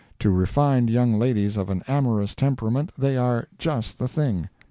To refined young ladies of an amorous temperament, they are "just the thing."